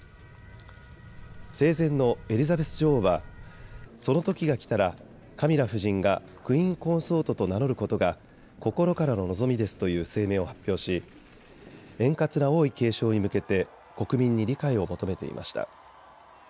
生前のエリザベス女王はそのときが来たらカミラ夫人がクイーン・コンソートと名乗ることが心からの望みですという声明を発表し円滑な王位継承に向けて国民に理解を求めていました。